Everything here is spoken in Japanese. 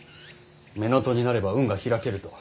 乳母父になれば運が開けると。